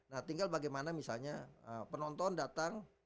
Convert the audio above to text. nah tinggal bagaimana misalnya penonton datang